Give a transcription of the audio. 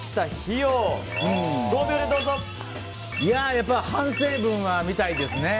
やっぱ、反省文は見たいですね。